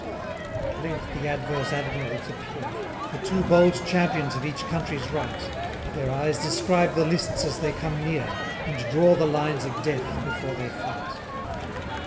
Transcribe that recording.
187 At length the adverse admirals appear; The two bold champions of each country's right: Their eyes describe the lists as they come near, And draw the lines of death before they fight.